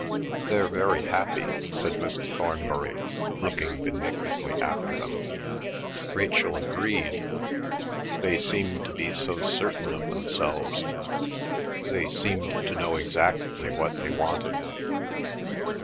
"They're very happy!" said Mrs. Thornbury, looking benignantly after them. Rachel agreed; they seemed to be so certain of themselves; they seemed to know exactly what they wanted.